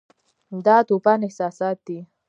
دا توپاني احساسات دي.